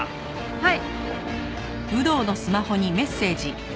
はい。